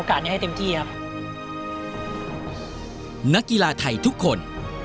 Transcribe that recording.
นอกจากนักเตะรุ่นใหม่จะเข้ามาเป็นตัวขับเคลื่อนทีมชาติไทยชุดนี้แล้ว